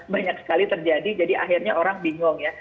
banyak sekali terjadi jadi akhirnya orang bingung ya